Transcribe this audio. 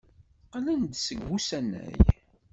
Qqlent-d seg usanay.